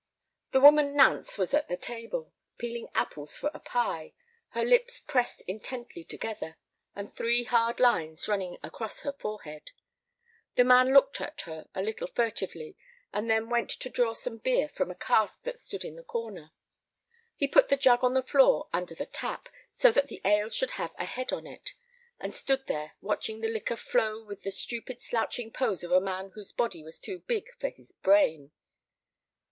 The woman Nance was at the table, peeling apples for a pie, her lips pressed intently together, and three hard lines running across her forehead. The man looked at her a little furtively, and then went to draw some beer from a cask that stood in the corner. He put the jug on the floor under the tap, so that the ale should have a head on it, and stood there watching the liquor flow with the stupid slouching pose of a man whose body was too big for his brain.